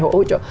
hỗ trợ bốn mươi